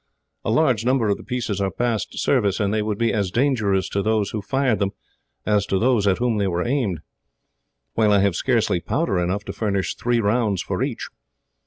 A large number of the pieces are past service, and they would be as dangerous to those who fired them as to those at whom they were aimed; while I have scarcely powder enough to furnish three rounds for each.